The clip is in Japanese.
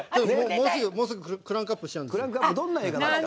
もうすぐクランクアップしちゃうんです。